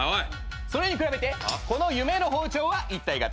それに比べてこの夢の包丁は一体型。